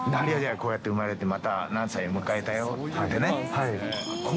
こうやって産まれて、また何歳迎えたよってね。